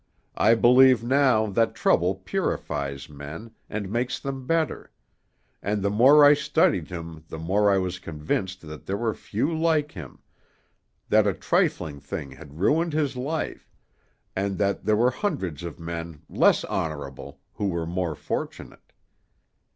I believe now that trouble purifies men, and makes them better; and the more I studied him the more I was convinced that there were few like him; that a trifling thing had ruined his life, and that there were hundreds of men, less honorable, who were more fortunate.